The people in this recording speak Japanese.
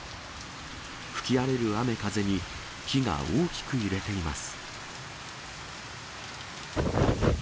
吹き荒れる雨風に木が大きく揺れています。